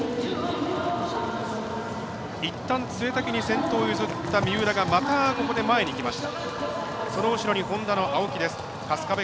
いったん、潰滝に先頭を譲った三浦が、またここで前にきました。